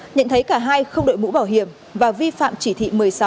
nhận thấy cả hai không đội mũ bảo hiểm và vi phạm chỉ thị một mươi sáu